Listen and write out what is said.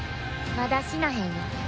まだ死なへんよ